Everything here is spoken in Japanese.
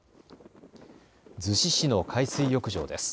逗子市の海水浴場です。